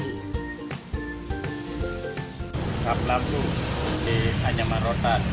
ada pelabu di kanyaman rotan